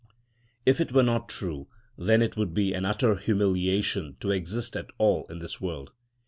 If this were not true, then it would be an utter humiliation to exist at all in this world.